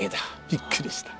びっくりした。